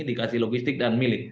dikasih logistik dan milik